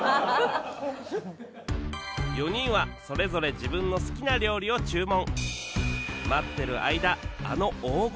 ４人はそれぞれ自分の好きな料理を注文